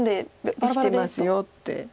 生きてますよって。